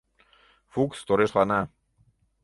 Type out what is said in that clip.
— Фукс торешлана.